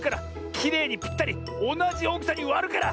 きれいにぴったりおなじおおきさにわるから！